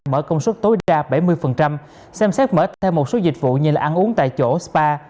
mở công suất tối đa bảy mươi xem xét mất theo một số dịch vụ như ăn uống tại chỗ spa